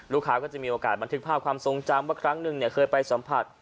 ก็จะมีโอกาสบันทึกภาพความทรงจำว่าครั้งหนึ่งเคยไปสัมผัส